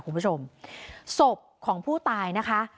คุณผู้ชมศพของผู้ตายนะคะ